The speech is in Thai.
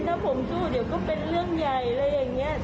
ถ้าผมสู้เดี๋ยวก็เป็นเรื่องใหญ่อะไรอย่างนี้